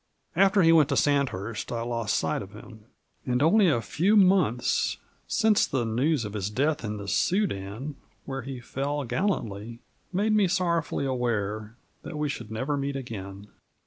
After he went to Sandhurst I lost sight of him, and only a few months since the news of his death in the Soudan, where he fell gallantly, made me sorrowfully aware that we should never meet again.